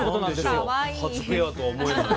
初ペアとは思えない。